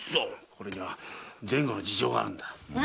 これには前後の事情があるんだ。